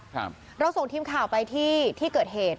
เราส่งทีมข่าวไปที่ที่เกิดเหตุ